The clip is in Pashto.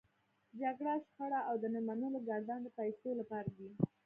جګړه، شخړه او د نه منلو ګردان د پيسو لپاره دی.